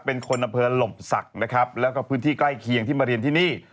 เป็นคนอำเภอหลบศักดิ์นะครับแล้วก็พื้นที่ใกล้เคียงที่มาเรียนที่นี่